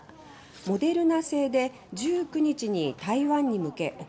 モデルナ製で、１９日に台湾に向け送られました。